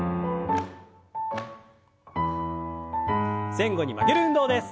前後に曲げる運動です。